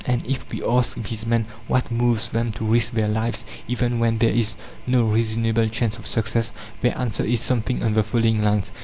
And if we ask these men what moves them to risk their lives, even when there is no reasonable chance of success, their answer is something on the following lines.